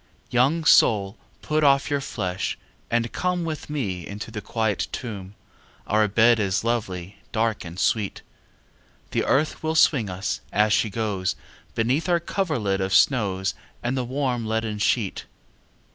II. Young soul put off your flesh, and come With me into the quiet tomb, Our bed is lovely, dark, and sweet; The earth will swing us, as she goes, Beneath our coverlid of snows, And the warm leaden sheet.